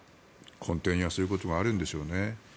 根底にはそういうことがあるんでしょうね。